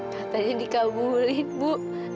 katanya dikabulin bu